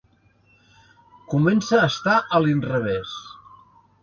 Comença a estar a l'inrevés.